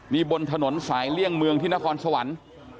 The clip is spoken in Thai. นี่บนถนนสายเลี่ยงเมืองที่นครสวรรค์